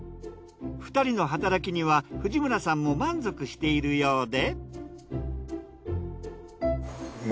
２人の働きには藤村さんも満足しているようで。